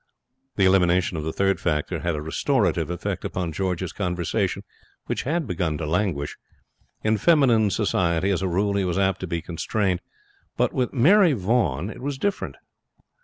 The elimination of the third factor had a restorative effect upon George's conversation, which had begun to languish. In feminine society as a rule he was apt to be constrained, but with Mary Vaughan it was different.